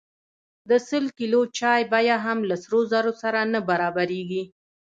د سل کیلو چای بیه هم له سرو زرو سره نه برابریږي.